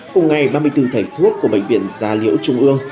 cùng ngày năm mươi bốn thầy thuốc của bệnh viện gia liễu trung ương